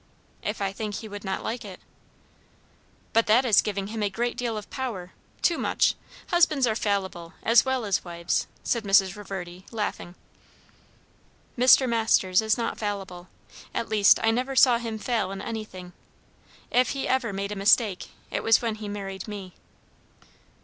"If I think he would not like it." "But that is giving him a great deal of power, too much. Husband's are fallible, as well as wives," said Mrs. Reverdy, laughing. "Mr. Masters is not fallible. At least, I never saw him fail in anything. If he ever made a mistake, it was when he married me."